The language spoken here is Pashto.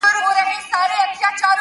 • غټ منګول تېره مشوکه په کارېږي,,!